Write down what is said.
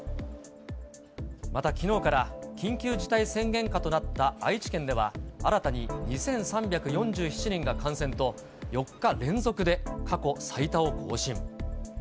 またきのうから緊急事態宣言下となった愛知県では、新たに２３４７人が感染と、４日連続で過去最多を更新。